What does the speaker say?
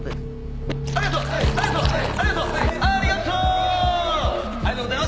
ありがとう！